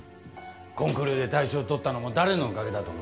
コンクールで大賞を取ったのも誰のおかげだと思ってる？